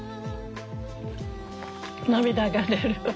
涙が出る。